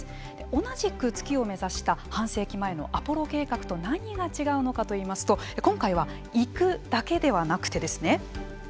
同じく月を目指した半世紀前のアポロ計画と何が違うのかといいますと今回は行くだけではなくてですね